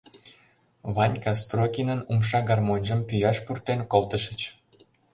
Ванька Строкинын умша гармоньжым пӱяш пуртен колтышыч...